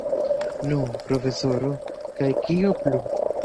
Nu, profesoro, kaj kio plu?